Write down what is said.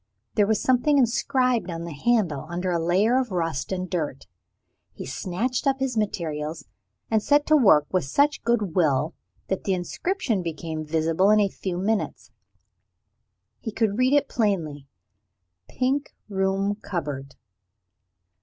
There was something inscribed on the handle, under a layer of rust and dirt. He snatched up his materials, and set to work with such good will that the inscription became visible in a few minutes. He could read it plainly "Pink Room Cupboard."